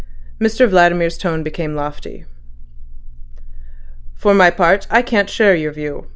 Mr Vladimir's tone became lofty. "For my part, I can't share your view.